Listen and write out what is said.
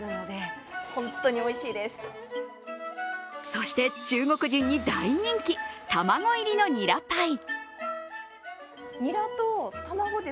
そして、中国人に大人気卵入りのニラパイ。